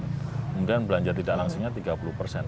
kemudian belanja tidak langsungnya tiga puluh persen